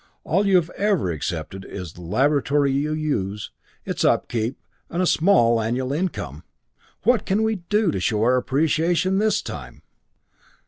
All you have ever accepted is the laboratory you use, its upkeep, and a small annual income. What can we do to show our appreciation this time?"